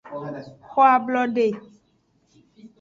Xo ablode.